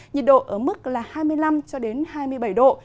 nhiệt độ ở mức hai mươi năm hai mươi bảy độ